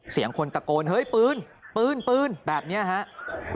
เสียงคนตะโกนเฮ้ยปืนปืนแบบนี้ครับ